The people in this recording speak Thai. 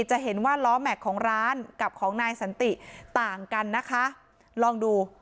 จะเห็นว่าล้อแม็กซ์ของร้านกับของนายสันติต่างกันนะคะลองดู